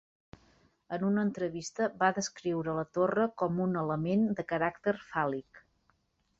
En una entrevista, va descriure la torre com un element de caràcter fàl·lic.